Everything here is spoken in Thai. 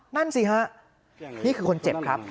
นั่นสิฮะนี่คือคนเจ็บครับ